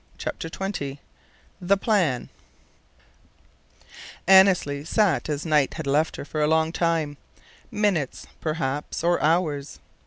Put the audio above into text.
CHAPTER XX THE PLAN Annesley sat as Knight had left her for a long time minutes, perhaps, or hours.